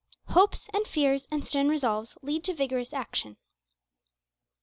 HOPES AND FEARS AND STERN RESOLVES LEAD TO VIGOROUS ACTION.